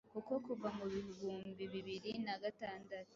kuko kuva mu mibumbi bibiri nagatandatu